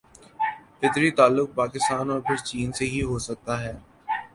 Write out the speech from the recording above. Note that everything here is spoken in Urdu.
فطری تعلق پاکستان اور پھر چین سے ہی ہو سکتا ہے۔